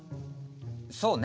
そうね。